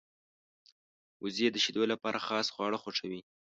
وزې د شیدو لپاره خاص خواړه خوښوي